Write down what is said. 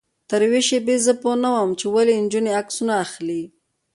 تر یوې شېبې زه پوی نه وم چې ولې نجونې عکسونه اخلي.